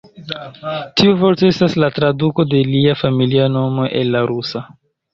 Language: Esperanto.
Tiu vorto estas la traduko de lia familia nomo el la rusa.